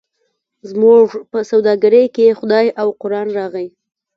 زموږ په سوداګرۍ کې خدای او قران راغی.